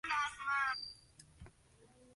Activo en Austria.